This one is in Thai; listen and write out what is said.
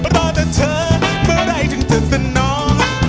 รอแต่เธอเมื่อไหร่ถึงจะสนอง